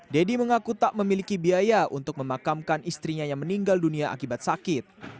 deddy mengaku tak memiliki biaya untuk memakamkan istrinya yang meninggal dunia akibat sakit